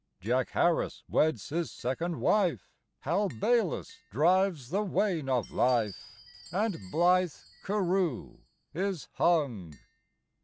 Jack Harris weds his second wife; Hal Baylis drives the wane of life; And blithe Carew is hung!